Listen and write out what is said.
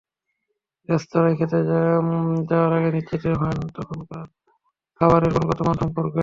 রেস্তোরাঁয় খেতে যাওয়ার আগে নিশ্চিত হোন সেখানকার খাবারের গুণগত মান সম্পর্কে।